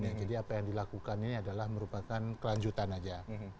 jadi apa yang dilakukan ini adalah merupakan kelanjutan saja